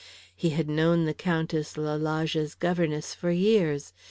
He had known the Countess Lalage's governess for years.